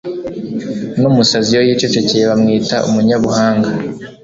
n'umusazi, iyo yicecekeye, bamwita umunyabuhanga